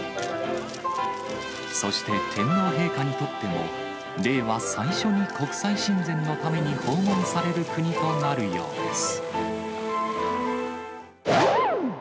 そして天皇陛下にとっても、令和最初に国際親善のために訪問される国となるようです。